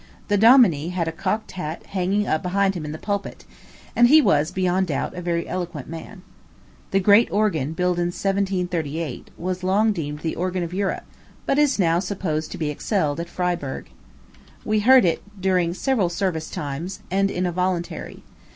The dominie had a cocked hat hanging up behind him in the pulpit; and he was, beyond doubt, a very eloquent man. The great organ, built in 1738, was long deemed the organ of Europe, but is now supposed to be excelled at Friburg. We heard it during service several times, and in a voluntary.